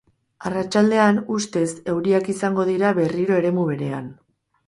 Arratsaldean, ustez, euriak izango dira berriro eremu berean.